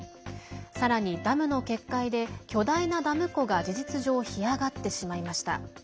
さらに、ダムの決壊で巨大なダム湖が事実上、干上がってしまいました。